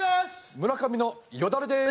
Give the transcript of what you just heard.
村上のよだれでーす！